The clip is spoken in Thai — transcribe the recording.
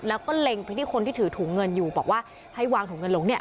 แล้วก็เล็งไปที่คนที่ถือถุงเงินอยู่บอกว่าให้วางถุงเงินลงเนี่ย